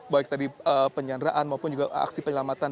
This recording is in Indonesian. baik tadi penyanderaan maupun juga aksi penyelamatan